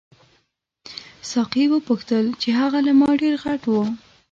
ساقي وپوښتل چې هغه ماهي ډېر غټ وو.